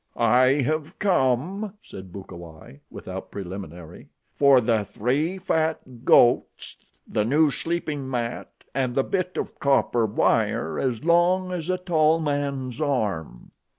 "I have come," said Bukawai without preliminary, "for the three fat goats, the new sleeping mat, and the bit of copper wire as long as a tall man's arm."